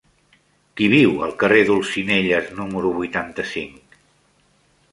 Qui viu al carrer d'Olzinelles número vuitanta-cinc?